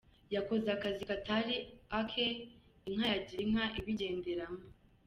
Yakoze akazi katari ake inka ya Girinka ibigenderamo